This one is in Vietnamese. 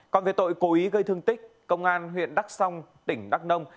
còn về tội cố ý gây thương tích công an huyện đắk song tỉnh đắk nông